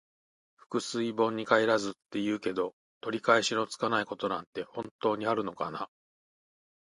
「覆水盆に返らず」って言うけど、取り返しのつかないことなんて本当にあるのかな。